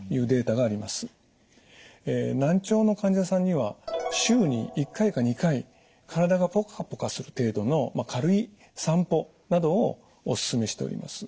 難聴の患者さんには週に１回か２回体がポカポカする程度の軽い散歩などをおすすめしております。